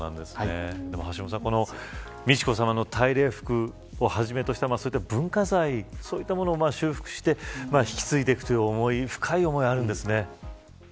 でも橋本さん、美智子さまの大礼服をはじめとしたそういった文化財を修復して引き継いでいくという深い思いがあるんですね。